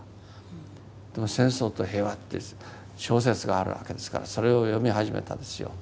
でも「戦争と平和」って小説があるわけですからそれを読み始めたんですよ。